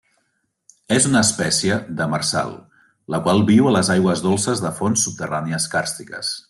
És una espècie demersal, la qual viu a les aigües dolces de fonts subterrànies càrstiques.